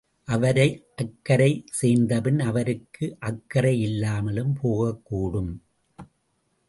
அவரை அக்கரை சேர்ந்தபின் அவருக்கு அக்கறை இல்லாமலும் போகக்கூடும்.